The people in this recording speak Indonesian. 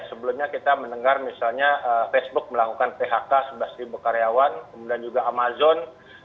sebelumnya kita mendengar misalnya facebook melakukan phk sebelas karyawan kemudian juga amazon